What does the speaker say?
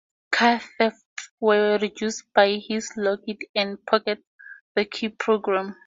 Car thefts were reduced by his 'lock it and pocket the key' program.